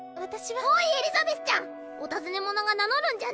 おいエリザベスちゃん！お尋ね者が名乗るんじゃねぇ！